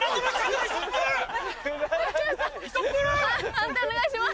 判定お願いします。